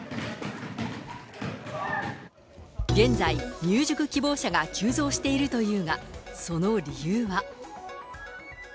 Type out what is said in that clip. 現在、入塾希望者が急増しているというが、その理由は。